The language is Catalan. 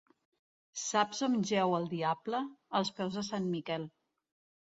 Saps on jeu el diable? Als peus de sant Miquel.